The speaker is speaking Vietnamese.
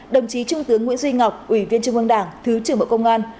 đồng chí trung tướng nguyễn duy ngọc ủy viên trung ương đảng thứ trưởng bộ công an